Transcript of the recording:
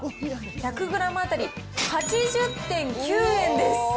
１００グラム当たり８０．９円です。